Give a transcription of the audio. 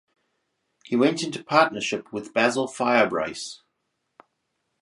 He went into partnership with Basil Firebrace.